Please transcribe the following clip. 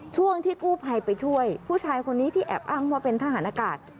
ช่วงที่กู้ภัยไปช่วยผู้ชายคนนี้ที่แอบอ้างว่าเป็นทหารอากาศ